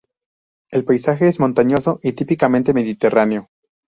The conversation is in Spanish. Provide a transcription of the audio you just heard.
El paisaje es montañoso y típicamente mediterráneo.